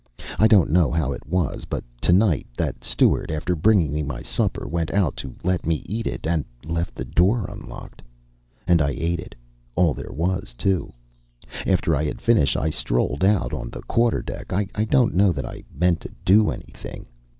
I don't know how it was, but tonight that steward, after bringing me my supper, went out to let me eat it, and left the door unlocked. And I ate it all there was, too. After I had finished I strolled out on the quarter deck. I don't know that I meant to do anything.